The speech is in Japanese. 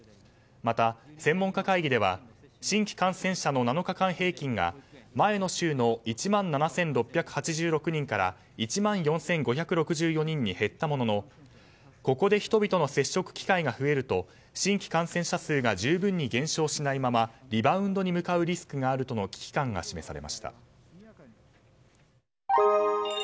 また、専門家会議では新規感染者の７日間平均が前の週の１万７６８６人から１万４５６４人に減ったもののここで人々の接触機会が増えると新規感染者数が十分に減少しないままリバウンドに向かうリスクがあるとの危機感が示されました。